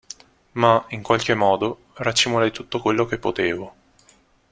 Ma, in qualche modo, racimolai tutto quello che potevo.